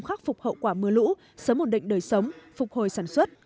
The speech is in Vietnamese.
khắc phục hậu quả mưa lũ sớm ổn định đời sống phục hồi sản xuất